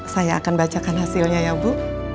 saya akan bacakan hasilnya ya bu